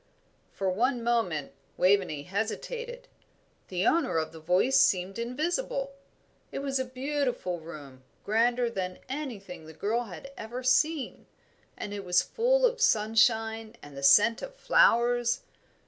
For one moment Waveney hesitated. The owner of the voice seemed invisible. It was a beautiful room, grander than anything that the girl had ever seen, and it was full of sunshine and the scent of flowers.